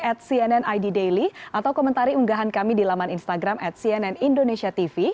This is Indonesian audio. at cnn id daily atau komentari unggahan kami di laman instagram at cnn indonesia tv